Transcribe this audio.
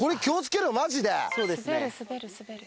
これ滑る滑る滑る。